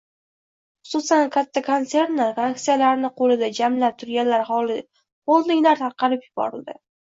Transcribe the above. Xususan, katta konsernlar aksiyalarini qo‘lida jamlab turgan holdinglar tarqatib yuborildi.